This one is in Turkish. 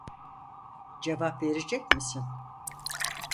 Cevap verecek misin